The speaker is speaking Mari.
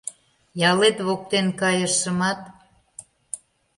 Ялет воктен кайышымат